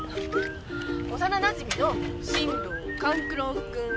幼なじみの進藤勘九郎君。